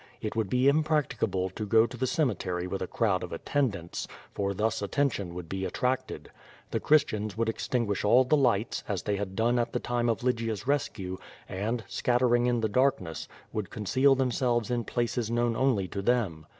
It would be impracticable to go to the cemetery with a crowd of attendants, for thus attention would be attracted. The Christians would extinguish all the lights, afi they had done at the time of Lygia's rescue, and, scattering in the darkness, would conceal themselves in places known only to them.